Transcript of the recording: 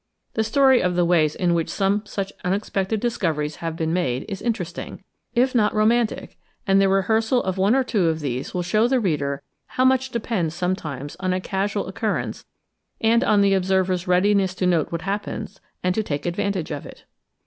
The story of the ways in which some such un expected discoveries have been made is interesting, if not romantic, and the rehearsal of one or two of these will show the reader how much depends sometimes on a casual occurrence, and on the observer's readiness to note what happens and to take advantage of it.